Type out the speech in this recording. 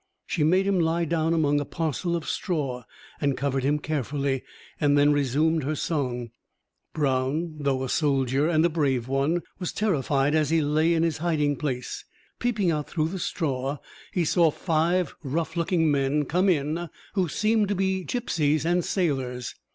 She made him lie down among a parcel of straw, and covered him carefully; and then resumed her song. Brown, though a soldier and a brave one, was terrified as he lay in his hiding place. Peeping out through the straw, he saw five rough looking men come in who seemed to be gipsies and sailors.